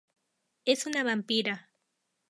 Es una vampira.